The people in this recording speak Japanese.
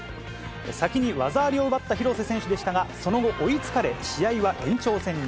先に技ありを奪った廣瀬選手でしたが、その後、追いつかれ、試合は延長戦に。